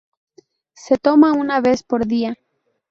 Se toma una vez por día.